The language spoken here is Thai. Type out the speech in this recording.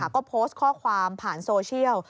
ก็โพสต์ข้อความผ่านโซเชียล